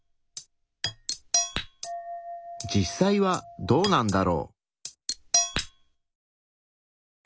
実際はどうなんだろう？